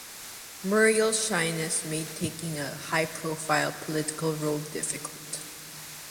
Muriel's shyness made taking a high-profile political role difficult.